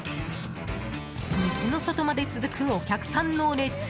店の外まで続くお客さんの列。